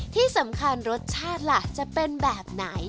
ที่สำคัญรสชาติล่ะจะเป็นแบบไหน